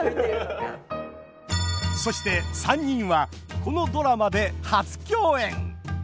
そして３人はこのドラマで初共演！